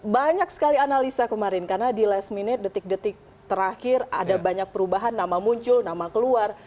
banyak sekali analisa kemarin karena di last minute detik detik terakhir ada banyak perubahan nama muncul nama keluar